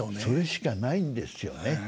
それしかないんですよね。